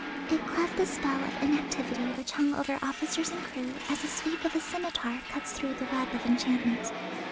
It cleft the spell of inactivity which hung over officers and crew as the sweep of a scimitar cuts through the web of enchantment.